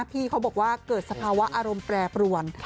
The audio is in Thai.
พี่เขาบอกว่าเกิดสภาวะอารมณ์แปรปรวน